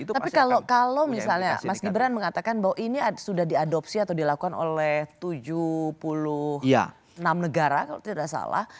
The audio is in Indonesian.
tapi kalau misalnya mas gibran mengatakan bahwa ini sudah diadopsi atau dilakukan oleh tujuh puluh enam negara kalau tidak salah